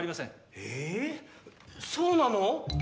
えぇそうなの？